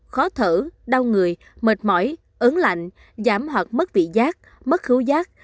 khó thở đau người mệt mỏi ớn lạnh giảm hoặc mất vị giác mất khứu giác